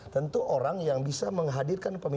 tentu orang yang bisa menghadirkan pemimpin